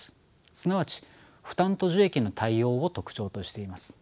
すなわち負担と受益の対応を特徴としています。